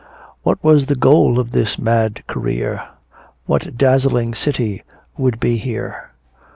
What was the goal of this mad career? What dazzling city would be here?